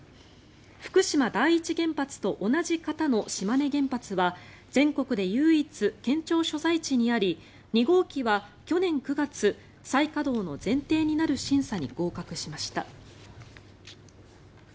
福島第一原発と同じ型の島根原発は全国で唯一、県庁所在地にあり２号機は去年９月再稼働の前提になる審査に合格しました。